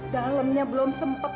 dalamnya belum sempet